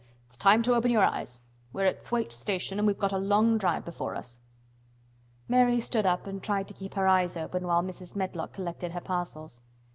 "It's time to open your eyes! We're at Thwaite Station and we've got a long drive before us." Mary stood up and tried to keep her eyes open while Mrs. Medlock collected her parcels.